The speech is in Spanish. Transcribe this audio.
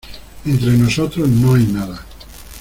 entre nosotros no hay nada.